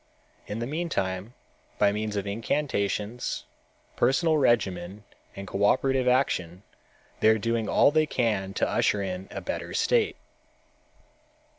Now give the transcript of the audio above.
In the meantime, by means of incantations, personal regimen and cooperative action they are doing all they can to usher in a better state.